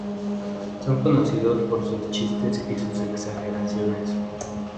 Son conocidos por sus chistes y sus exageraciones.